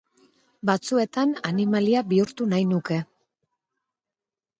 Batzuetan animalia bihurtu nahi nuke.